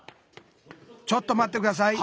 ちょっと待って下さい。